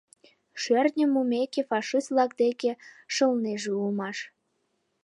Шӧртньым мумеке, фашист-влак деке шылнеже улмаш.